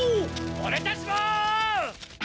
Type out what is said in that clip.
オレたちも！